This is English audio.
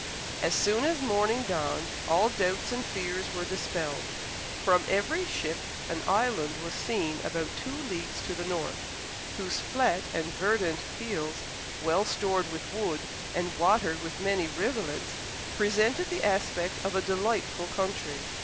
As soon as morning dawned, all doubts and fears were dispelled. From every ship an island was seen about two leagues to the north, whose flat and verdant fields, well stored with wood, and watered with many rivulets, presented the aspect of a delightful country.